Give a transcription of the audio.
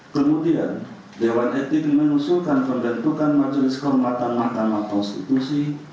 kemudian dewan etik menusulkan pendentukan majelis komulatan mahkamah konstitusi